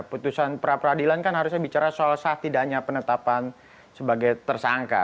putusan pra peradilan kan harusnya bicara soal sah tidaknya penetapan sebagai tersangka